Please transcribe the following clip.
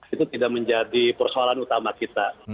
itu tidak menjadi persoalan utama kita